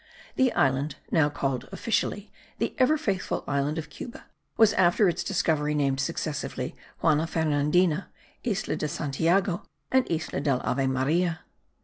The island, now called officially The ever faithful island of Cuba, was after its discovery named successively Juana Fernandina, Isla de Santiago, and Isla del Ave Maria.